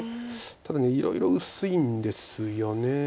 ただいろいろ薄いんですよね。